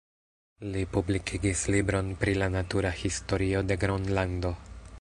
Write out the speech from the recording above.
Li publikigis libron pri la natura historio de Gronlando.